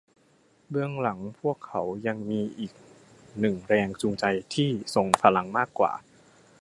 เบื้องหลังพวกเขายังมีอีกหนึ่งแรงจูงใจที่ทรงพลังมากกว่า